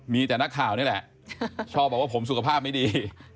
มีแต่นักข่าวนี่แหละชอบบอกว่าผมสุขภาพไม่ดี